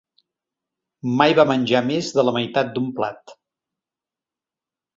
Mai va menjar més de la meitat d'un plat